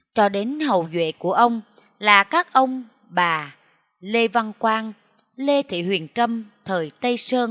cho đến hầu nhuệ của ông là các ông bà lê văn quang lê thị huyền trâm thời tây sơn